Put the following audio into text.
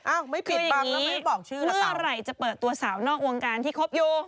ไม่ปิดบังแล้วไม่บอกชื่อแล้วเมื่อไหร่จะเปิดตัวสาวนอกวงการที่คบอยู่